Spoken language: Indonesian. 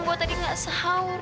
gue tadi gak sahur